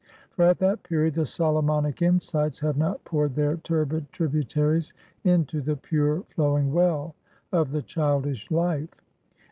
For at that period, the Solomonic insights have not poured their turbid tributaries into the pure flowing well of the childish life.